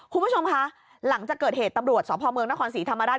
คุณผู้ชมคะหลังจากเกิดเหตุตำรวจสพเมืองนครศรีธรรมราช